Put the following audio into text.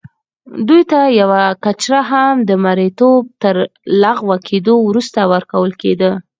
دوی ته یوه کچره هم د مریتوب تر لغوه کېدو وروسته ورکول کېده.